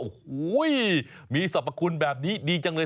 โอ้โหมีทรัพย์หรือแบบนี้ดีจังเลย